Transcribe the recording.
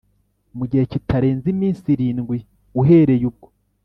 Mu gihe kitarenze iminsi irindwi uhereye ubwo